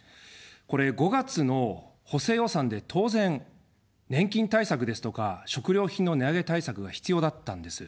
これ、５月の補正予算で、当然、年金対策ですとか、食料品の値上げ対策が必要だったんです。